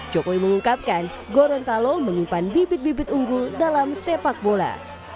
jokowi mengungkapkan gorontalo menyimpan bibit bibit unggul dalam sepak bola